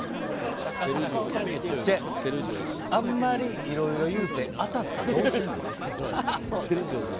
あんまりいろいろ言うて当たったらどうすんねん。